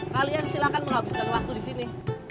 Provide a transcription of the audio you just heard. bukan mau habiskan waktu disini